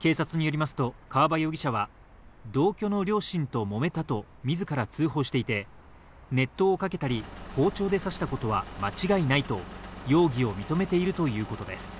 警察によりますと川場容疑者は同居の両親と揉めたと、みずから通報していて熱湯をかけたり、包丁で刺したことは間違いないと容疑を認めているということです。